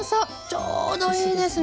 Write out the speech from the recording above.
ちょうどいいですね。